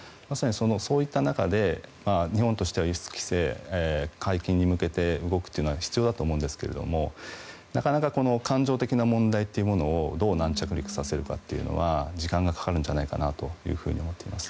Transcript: そういった中で日本としては輸出規制解禁に向けて動くというのは必要だと思うんですがなかなか感情的な問題というものをどう軟着陸させるのかというのは時間がかかると思います。